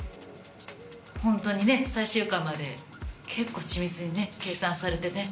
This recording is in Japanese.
ホントにね最終回まで結構緻密にね計算されてね。